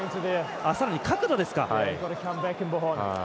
さらに角度ですか。